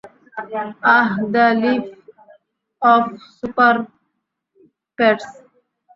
Ah, the league of Super-Pets.